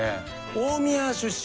大宮出身？